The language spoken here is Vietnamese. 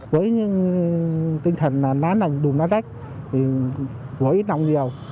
với tinh thần lá nành đùm lá rách vỗ ít nồng nhiều